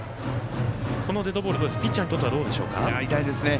このデッドボールピッチャーにとっては痛いですね。